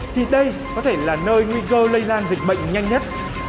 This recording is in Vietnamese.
thì đây có thể là nơi nguy cơ lây lan dịch bệnh nhanh nhất